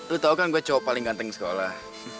lo tau kan gue cowok paling ganteng sekolah